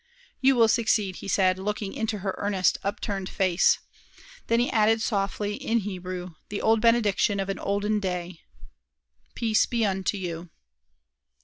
"You will succeed," he said, looking into her earnest upturned face. Then he added softly, in Hebrew, the old benediction of an olden day "Peace be unto you."